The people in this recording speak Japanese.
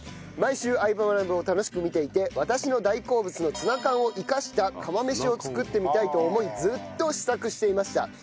毎週『相葉マナブ』を楽しく見ていて私の大好物のツナ缶を生かした釜飯を作ってみたいと思いずっと試作していました。